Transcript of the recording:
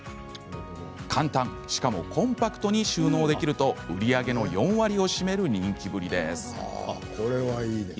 簡単、しかもコンパクトに収納できると売り上げの４割を占める人気ぶりです。